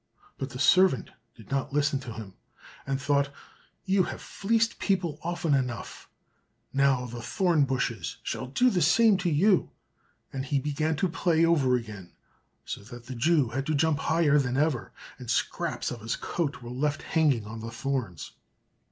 But the servant did not listen to him, and thought, "You have fleeced people often enough, now the thorn bushes shall do the same to you;" and he began to play over again, so that the Jew had to jump higher than ever, and scraps of his coat were left hanging on the thorns.